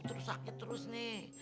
terus sakit terus nih